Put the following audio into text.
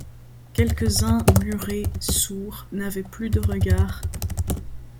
Quelques-uns, murés, sourds, n’avaient plus de regard